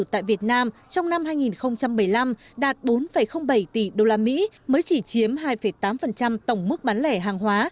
tại việt nam trong năm hai nghìn một mươi năm đạt bốn bảy tỷ usd mới chỉ chiếm hai tám tổng mức bán lẻ hàng hóa